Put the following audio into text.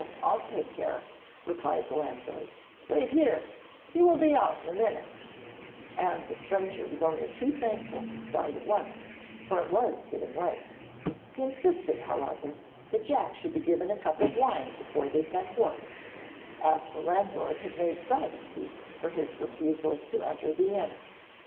I'll take care,' replied the landlord. 'Wait here! he will be out in a minute,' and the stranger was only too thankful to start at once, for it was getting late. He insisted, however, that Jack should be given a cup of wine before they set forth, as the landlord had made some excuse for his refusal to enter the inn.